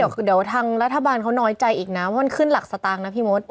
เดี๋ยวทางรัฐบาลเขาน้อยใจอีกนะเพราะมันขึ้นหลักสตางค์นะพี่มด